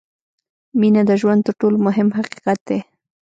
• مینه د ژوند تر ټولو مهم حقیقت دی.